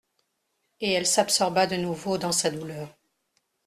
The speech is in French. Et elle s'absorba de nouveau dans sa douleur.